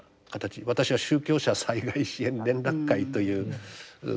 私は宗教者災害支援連絡会というのでですね